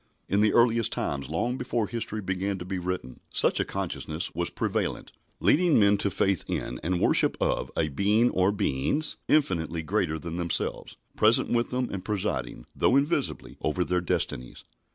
In the earliest times, long before history began to be written, such a consciousness was prevalent, leading men to faith in and worship of a Being or Beings infinitely greater than themselves, present with them and presiding, though invisibly, over their destinies.